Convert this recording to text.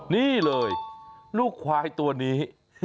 นี่เลยลูกควายตัวนี้